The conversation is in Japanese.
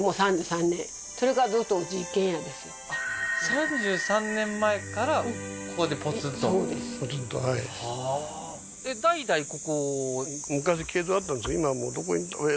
３３年前からここでポツンとそうですポツンとはいはあーえっ２４代目？